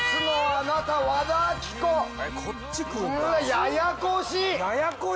ややこしい！